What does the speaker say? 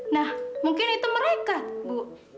nah mungkin itu mereka bu